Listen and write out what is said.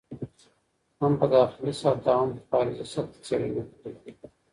هم په داخلي سطحه او هم په خارجي سطحه څېړنه کړې دي.